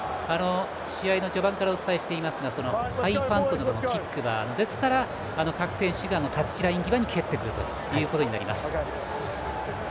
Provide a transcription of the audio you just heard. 試合の序盤からお伝えしていますがハイパントのキックはですから、各選手がタッチライン際に蹴ってくるということになります。